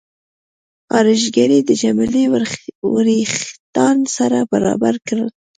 ارایشګرې د جميله وریښتان سره برابر کړل.